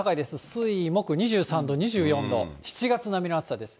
水、木２３度、２４度、７月並みの暑さです。